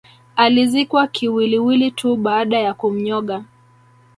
Alizikwa kiwiliwili tuu baada ya kumnyoga